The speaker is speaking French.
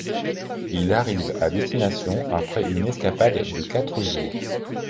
Il arrive à destination après une escapade de quatre jours.